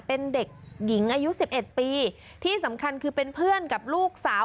เป็นเด็กหญิงอายุสิบเอ็ดปีที่สำคัญคือเป็นเพื่อนกับลูกสาว